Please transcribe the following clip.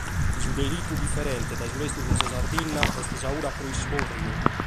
Su delitu diferente dae su restu de Sardigna est sa fura pro iscòrriu.